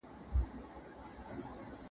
داسي ژوند کي لازمي بولمه مینه,